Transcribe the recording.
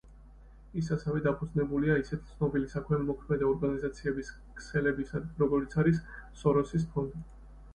ის ასევე დამფუძნებელია ისეთი ცნობილი საქველმოქმედო ორგანიზაციების ქსელებისა, როგორიცაა „სოროსის ფონდი“.